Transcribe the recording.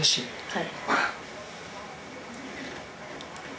はい。